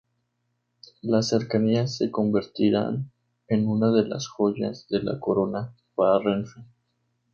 Las Cercanías se convertirán en una de las "joyas de la corona" para Renfe.